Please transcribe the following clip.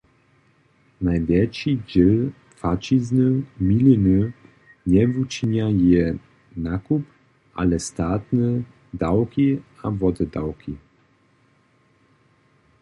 Najwjetši dźěl płaćizny miliny njewučinja jeje nakup, ale statne dawki a wotedawki.